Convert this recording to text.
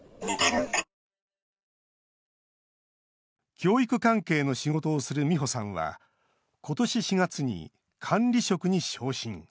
教育関係の仕事をするミホさんはことし４月に管理職に昇進。